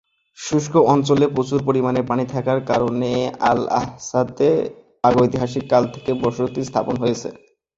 শুষ্ক অঞ্চলে প্রচুর পরিমাণে পানি থাকার কারণে আল-আহসাতে প্রাগৈতিহাসিক কাল থেকেই বসতি স্থাপন হয়েছে।